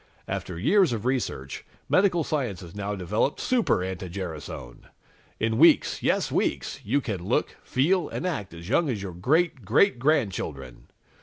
"After years of research, medical science has now developed Super anti gerasone! In weeks yes, weeks you can look, feel and act as young as your great great grandchildren!